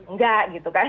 nggak gitu kan